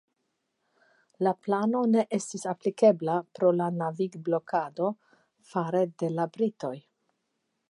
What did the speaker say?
La plano ne estis aplikebla pro la navigblokado fare de la britoj.